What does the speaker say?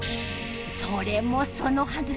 それもそのはず